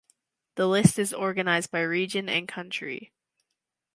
The list is organized by region and country.